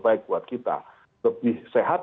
baik buat kita lebih sehat